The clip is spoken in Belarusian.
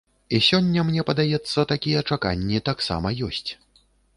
І сёння мне падаецца такія чаканні таксама ёсць.